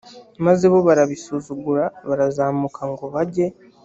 maze bo barabisuzugura barazamuka ngo bajye